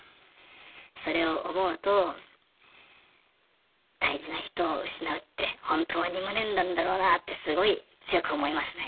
それを思うと大事な人を失うって本当に無念なんだろうなってすごい強く思いますね。